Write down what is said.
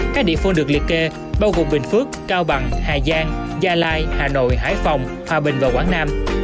các địa phương được liệt kê bao gồm bình phước cao bằng hà giang gia lai hà nội hải phòng hòa bình và quảng nam